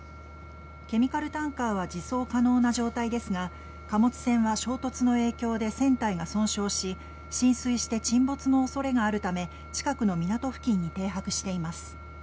ケミカルタンカーは自走可能な状態ですが貨物船は衝突の影響で船体が損傷し浸水して沈没の恐れがあるため近くの港付近に停泊しています。